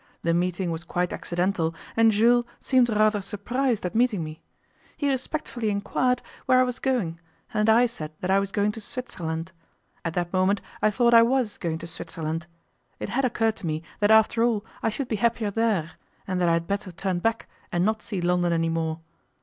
The meeting was quite accidental, and Jules seemed rather surprised at meeting me. He respectfully inquired where I was going, and I said that I was going to Switzerland. At that moment I thought I was going to Switzerland. It had occurred to me that after all I should be happier there, and that I had better turn back and not see London any more.